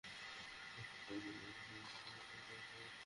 প্যাসেঞ্জারের তালিকা চেক করে দেখ।